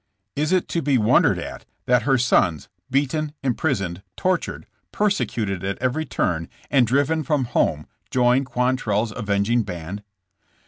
Is it to be wondered at that her sons, beaten, imprisoned, tortured, persecuted at every turn, and driven from home joined Quan trell 's avenging band?